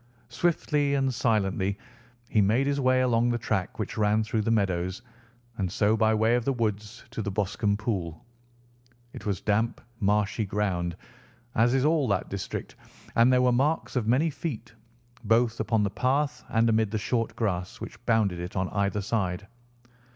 Swiftly and silently he made his way along the track which ran through the meadows, and so by way of the woods to the Boscombe Pool. It was damp, marshy ground, as is all that district, and there were marks of many feet, both upon the path and amid the short grass which bounded it on either side.